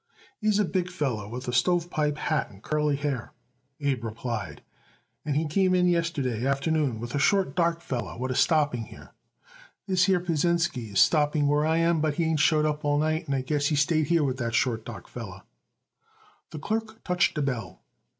"He's a big feller with a stovepipe hat and curly hair," Abe replied, "and he came in here yesterday afternoon with a short, dark feller what is stopping here. This here Pasinsky is stopping where I am, but he ain't showed up all night, and I guess he's stayed here with that short, dark feller." The clerk touched a bell.